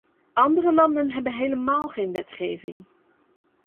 Andere landen hebben helemaal geen wetgeving.